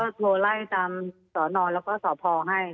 โทรไล่ตามสนแล้วก็สพให้